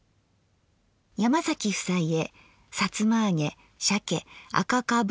「山崎夫妻へさつまあげ鮭あかかぶがん